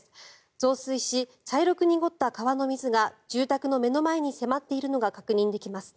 増水し、茶色く濁った川の水が住宅の目の前に迫っているのが確認できます。